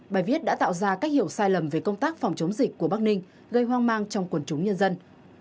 bài viết đã tạo ra cách hiểu sai lầm về công tác phòng chống dịch của bắc ninh gây hoang mang trong quần chúng nhân dân